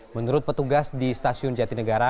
menurut petugas di stasiun jatinegara